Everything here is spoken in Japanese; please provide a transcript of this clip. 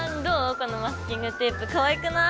このマスキングテープかわいくない？